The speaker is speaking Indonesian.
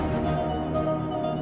kita ke rumah sakit